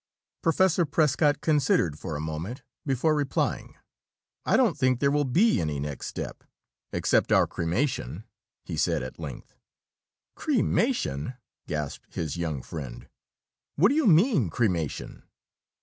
Professor Prescott considered for a moment, before replying. "I don't think there will be any next step, except our cremation," he said at length. "Cremation?" gasped his young friend. "What do you mean, cremation?"